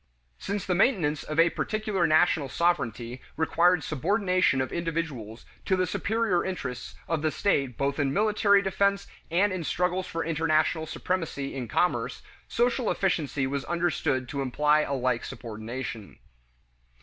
Since the maintenance of a particular national sovereignty required subordination of individuals to the superior interests of the state both in military defense and in struggles for international supremacy in commerce, social efficiency was understood to imply a like subordination.